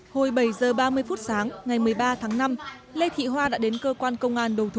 hồi bảy h ba mươi phút sáng ngày một mươi ba tháng năm lê thị hoa đã đến cơ quan công an đầu thú